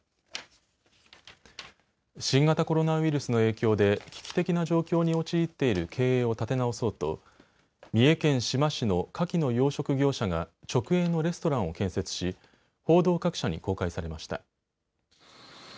新型コロナウイルスの影響で危機的な状況に陥っている経営を立て直そうと三重県志摩市のかきの養殖業者が直営のレストランを建設し報道各社に公開されました。